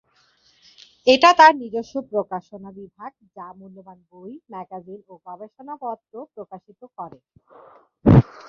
এটা তার নিজস্ব প্রকাশনা বিভাগ যা মূল্যবান বই, ম্যাগাজিন ও গবেষণাপত্র প্রকাশিত করে।